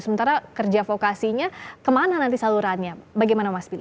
sementara kerja vokasinya kemana nanti salurannya bagaimana mas pidi